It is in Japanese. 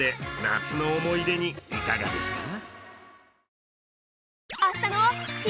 夏の思い出にいかがですか？